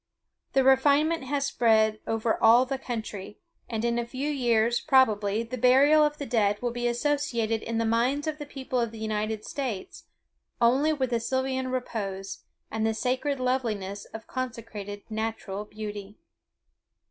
The refinement has spread all over the country; and in a few years, probably, the burial of the dead will be associated in the minds of the people of the United States only with sylvan repose, and the sacred loveliness of consecrated natural beauty.